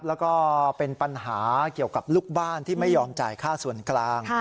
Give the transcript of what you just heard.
แล้วก็เป็นปัญหาเกี่ยวกับลูกบ้านที่ไม่ยอมจ่ายค่าส่วนกลาง